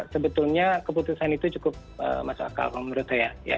sebetulnya keputusan itu cukup masuk akal kalau menurut saya